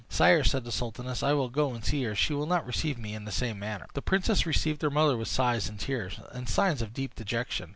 "Sire," said the sultaness, "I will go and see her; she will not receive me in the same manner." The princess received her mother with sighs and tears, and signs of deep dejection.